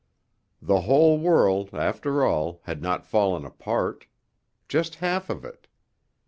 The whole world, after all, had not fallen apart just half of it.